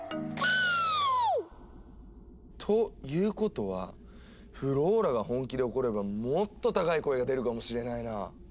キーッ！ということはフローラが本気で怒ればもっと高い声が出るかもしれないな。